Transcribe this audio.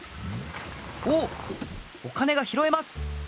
おおっお金がひろえます！